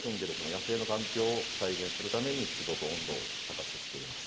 野生の環境を再現するために湿度と温度を高くしています。